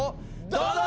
どうぞ。